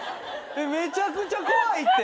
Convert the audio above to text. めちゃくちゃ怖いって。